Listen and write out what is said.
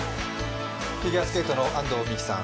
フィギュアスケートの安藤美姫さん